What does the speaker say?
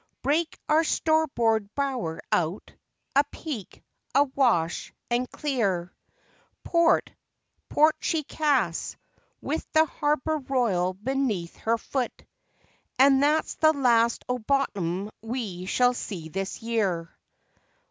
Break our starboard bower out, apeak, awash, and clear. Port port she casts, with the harbour roil beneath her foot, And that's the last o' bottom we shall see this year!